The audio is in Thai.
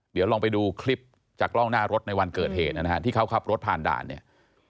เดี๋ยวลองไปดูคลิปจากกล้องหน้ารถในวันเกิดเหตุนะฮะที่เขาขับรถผ่านด่านเนี่ย